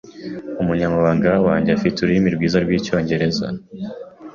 Umunyamabanga wanjye afite ururimi rwiza rwicyongereza.